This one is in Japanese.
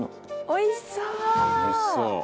おいしそう。